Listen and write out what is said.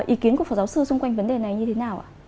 ý kiến của phó giáo sư xung quanh vấn đề này như thế nào ạ